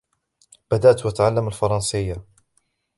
بدأت أتعلّم الفرنسيّة.